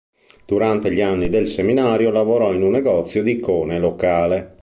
Durante gli anni del seminario lavorò in un negozio di icone locale.